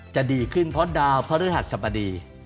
จะดีขึ้นเพราะดาวพระธรรมดี